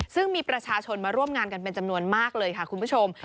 ซึ่งมีประชาชนมาร่วมงานกันเป็นจำนวนมากเลยค่ะคุณผู้ชม